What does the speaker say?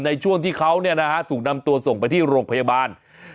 ในช่วงที่เขาถูกนำตัวส่งไปที่โรงพยาบาล